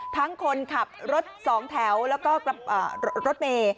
คนขับรถสองแถวแล้วก็รถเมย์